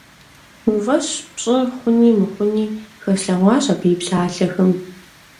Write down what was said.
Уи фӀэщ пщӀы хъуни мыхъуни хэслъэгъуащ абы и псалъэхэм.